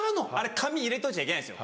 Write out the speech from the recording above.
紙入れといちゃいけないんですよ